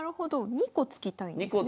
２個突きたいんですね。